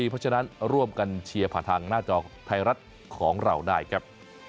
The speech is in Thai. เพราะฉะนั้นร่วมกันเชียร์ผ่านทางหน้าจอไทยรัฐของเราได้ครับ